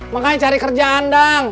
makanya cari kerjaan dang